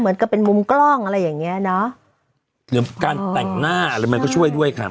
เหมือนกับเป็นมุมกล้องอะไรอย่างเงี้ยเนอะหรือการแต่งหน้าอะไรมันก็ช่วยด้วยค่ะ